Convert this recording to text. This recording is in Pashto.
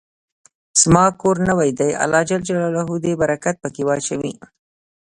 زما کور نوې ده، الله ج د برکت په کي واچوی